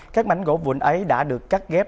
các mảnh gỗ vùn ấy đã được cắt ghép